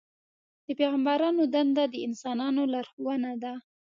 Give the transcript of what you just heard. د پیغمبرانو دنده د انسانانو لارښوونه ده.